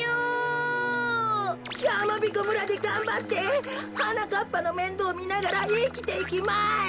やまびこ村でがんばってはなかっぱのめんどうみながらいきていきます。